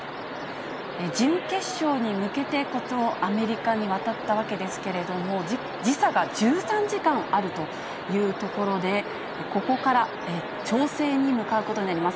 準決勝に向けて、ここ、アメリカに渡ったわけですけれども、時差が１３時間あるという所で、ここから調整に向かうことになります。